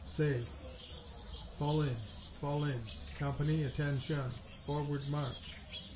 Say "Fall in! Fall in!... Com pan ee, At ten shun! Forward, March!"